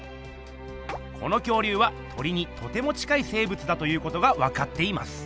この恐竜は鳥にとても近い生ぶつだということがわかっています。